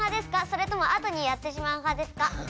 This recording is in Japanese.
それとも後にやってしまうはですか？